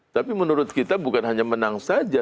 tapi menurut kita bukan hanya menang saja